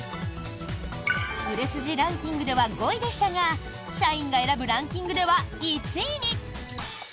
売れ筋ランキングでは５位でしたが社員が選ぶランキングでは１位に！